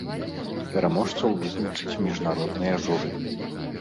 Пераможцаў вызначыць міжнароднае журы.